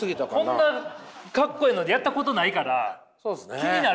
こんなかっこええのでやったことないから気になるわ！